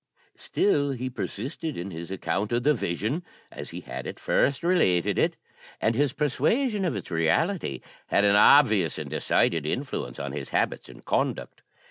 Still he persisted in his account of the vision, as he had at first related it; and his persuasion of its reality had an obvious and decided influence on his habits and conduct.